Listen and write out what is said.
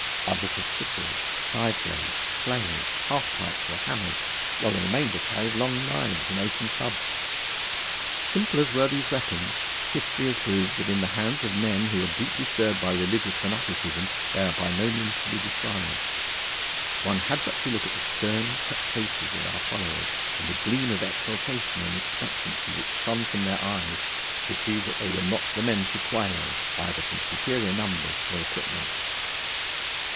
Others had sickles, scythe blades, flails, half pikes, or hammers, while the remainder carried long knives and oaken clubs. Simple as were these weapons, history has proved that in the hands of men who are deeply stirred by religious fanaticism they are by no means to be despised. One had but to look at the stern, set faces of our followers, and the gleam of exultation and expectancy which shone from their eyes, to see that they were not the men to quail, either from superior numbers or equipment.